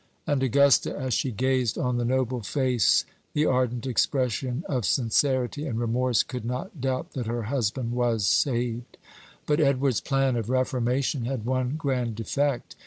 And Augusta, as she gazed on the noble face, the ardent expression of sincerity and remorse, could not doubt that her husband was saved. But Edward's plan of reformation had one grand defect.